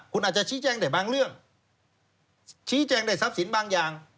คุณอาจจะชี้แจ้งได้บางเรื่องชี้แจงได้ทรัพย์สินบางอย่าง